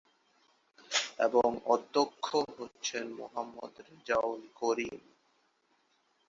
এবং অধ্যক্ষ হচ্ছেন মোহাম্মদ রেজাউল করিম।